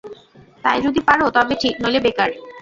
তাই যদি পার তবে ঠিক, নইলে বেকার।